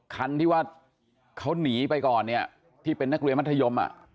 คันที่ว่าเขาหนีไปก่อนเนี่ยที่เป็นนักเรียนมัธยม